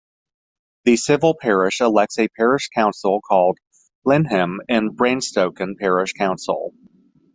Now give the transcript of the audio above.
The civil parish elects a parish council called Lyneham and Bradenstoke Parish Council.